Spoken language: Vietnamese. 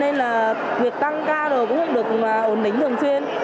nên là việc tăng ca rồi cũng được ổn định thường xuyên